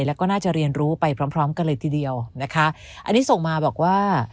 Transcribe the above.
แล้วก็น่าจะเรียนรู้ไปพร้อมพร้อมกันเลยทีเดียวนะคะอันนี้ส่งมาบอกว่า